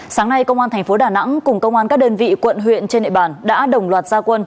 sáng nay công an thành phố đà nẵng cùng công an các đơn vị quận huyện trên địa bàn đã đồng loạt gia quân